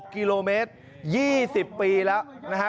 กิโลเมตร๒๐ปีแล้วนะฮะ